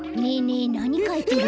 えなにかいてるの？